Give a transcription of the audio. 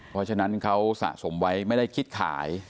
เพราะฉะนั้นเขาสะสมไว้ไม่ได้คิดขาย